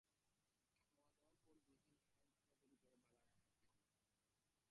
খাওয়াদাওয়ার পর দু জনে হাত ধরাধরি করে বাগানে হাঁটলাম।